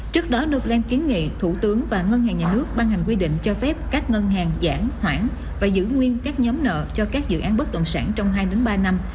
trước đó novaland kiến nghị thủ tướng và ngân hàng nhà nước ban hành quy định cho phép các ngân hàng giãn hoãn và giữ nguyên các nhóm nợ cho các dự án bất động sản trong hai ba năm